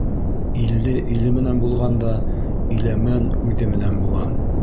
Илле иле менән булғанда, Иләмәнүҙе менән була.